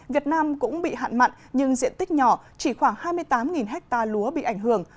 việt nam cũng bị hạn mặn nhưng diện tích nhỏ chỉ khoảng hai mươi tám ha lúa bị ảnh hưởng